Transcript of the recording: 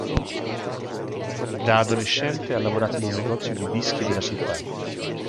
Da adolescente, ha lavorato in un negozio di dischi della città.